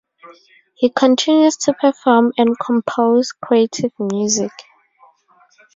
He continues to perform and compose creative music.